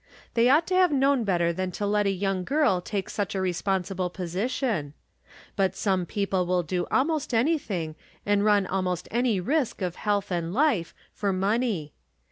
They ought to have known better than to let a young girl take such a responsible position ; but some people will do almost anything, and run almost any risk of health and life, for money.